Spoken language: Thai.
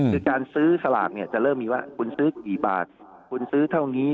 คือการซื้อสลากเนี่ยจะเริ่มมีว่าคุณซื้อกี่บาทคุณซื้อเท่านี้